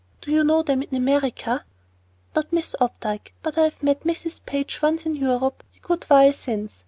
Do you know them in America?" "Not Miss Opdyke; but I have met Mrs. Page once in Europe a good while since.